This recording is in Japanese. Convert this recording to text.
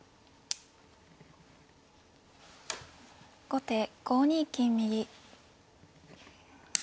後手５二金右。